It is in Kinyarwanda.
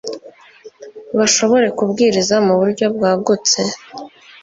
bashobore kubwiriza mu buryo bwagutse